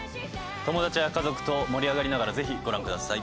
友達や家族と盛り上がりながらぜひご覧ください。